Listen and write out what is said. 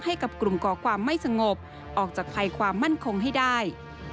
ให้กับกลุ่มก่อความไม่สงบออกจากภัยความมั่นคงให้ได้